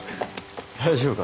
大丈夫か？